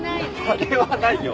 あれはないよ。